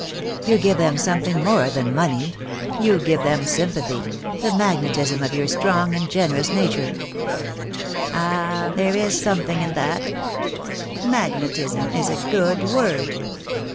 "You give them something more than money. You give them sympathy — the magnetism of your strong and generous nature." "Ah, there is something in that. Magnetism is a good word.